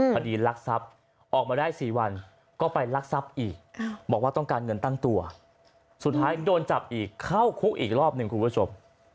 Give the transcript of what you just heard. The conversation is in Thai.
คดีรักทรัพย์ออกมาได้๔วันก็ไปลักทรัพย์อีกบอกว่าต้องการเงินตั้งตัวสุดท้ายโดนจับอีกเข้าคุกอีกรอบหนึ่งคุณผู้ชม